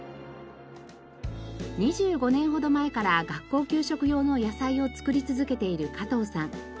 ２５年ほど前から学校給食用の野菜を作り続けている加藤さん。